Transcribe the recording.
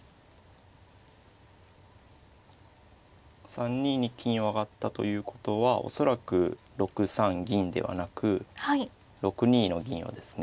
３二に金を上がったということは恐らく６三銀ではなく６二の銀をですね